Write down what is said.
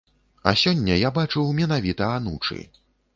А сёння я бачыў менавіта анучы.